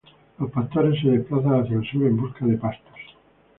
Los pastores se desplazan hacia el sur en busca de pastos.